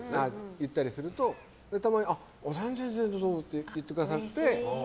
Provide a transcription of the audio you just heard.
言ったりするとたまに全然どうぞって言ってくださって。